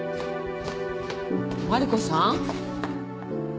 マリコさん？